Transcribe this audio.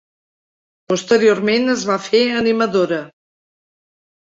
Posteriorment es va fer animadora.